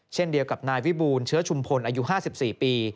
เช่นเดียวกับนายวิบูลเชื้อชุมพลอายุ๕๔ปี